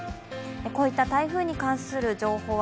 こういった台風に関する情報は。